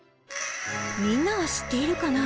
みんなは知っているかな？